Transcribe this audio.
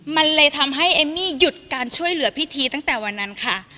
มันเลยทำให้เอมมี่หยุดการช่วยเหลือพี่ทีตั้งแต่วันนั้นค่ะ